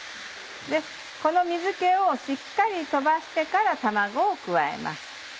この水気をしっかり飛ばしてから卵を加えます。